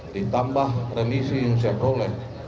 ditambah remisi yang saya peroleh